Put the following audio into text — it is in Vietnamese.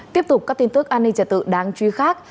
tiếp tục các tin tức an ninh trả tự đáng truy khác